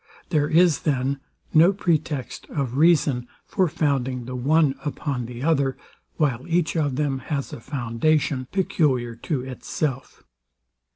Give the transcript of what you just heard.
There is, then, no pretext of reason for founding the one upon the other; while each of them has a foundation peculiar to itself.